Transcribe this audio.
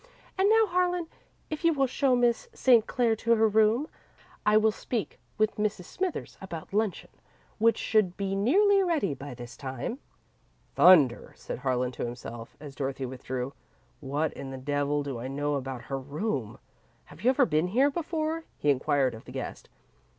And now, Harlan, if you will show Miss St. Clair to her room, I will speak with Mrs. Smithers about luncheon, which should be nearly ready by this time." "Thunder," said Harlan to himself, as Dorothy withdrew. "What in the devil do I know about 'her room'? Have you ever been here before?" he inquired of the guest.